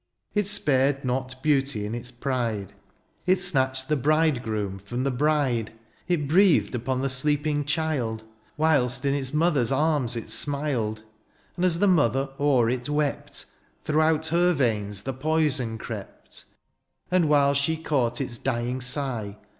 It spared not beauty in its pride ; It snatched the bridegroom from the bride ; It breathed upon the sleeping child. While in its mother's arms it smiled ; And as the mother o'er it wept. Throughout her veins the poison crept ; And while she caught its dying sigh.